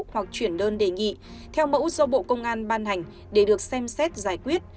hoặc chuyển đơn đề nghị theo mẫu do bộ công an ban hành để được xem xét giải quyết